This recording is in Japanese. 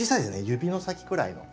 指の先くらいの。